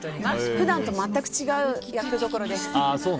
普段と全く違う役どころです。